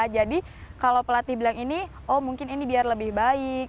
jadi kalau pelatih bilang ini oh mungkin ini biar lebih baik